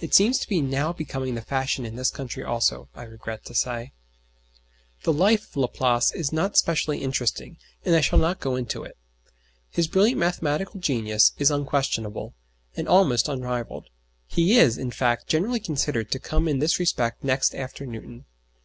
It seems to be now becoming the fashion in this country also, I regret to say. The life of Laplace is not specially interesting, and I shall not go into it. His brilliant mathematical genius is unquestionable, and almost unrivalled. He is, in fact, generally considered to come in this respect next after Newton.